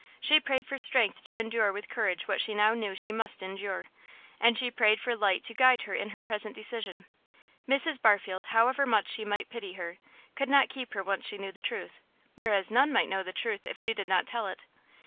She prayed for strength to endure with courage what she now knew she must endure, and she prayed for light to guide her in her present decision. Mrs. Barfield, however much she might pity her, could not keep her once she knew the truth, whereas none might know the truth if she did not tell it.